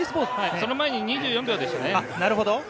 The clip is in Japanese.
その前に２４秒ですね。